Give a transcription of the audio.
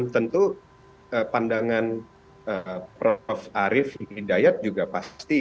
tentu pandangan prof arief hidayat juga pasti